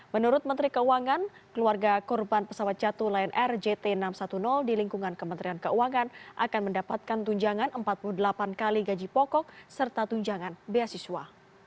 menurut menteri keuangan keluarga korban pesawat jatuh lion air jt enam ratus sepuluh di lingkungan kementerian keuangan akan mendapatkan tunjangan empat puluh delapan kali gaji pokok serta tunjangan beasiswa